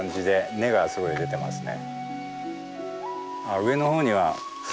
根がすごい出てますね。